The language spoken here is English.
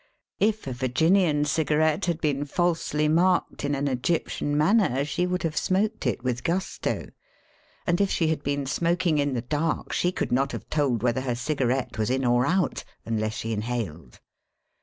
If a Virginian cig 78 SELF AND SELF MANAGEMENT arette had been falsely marked in an Egyptian manner she would have smoked it with gusto. And if she had been smoking in tlie dark she could not have told whether her cigarette was in or out — unless she inhaled.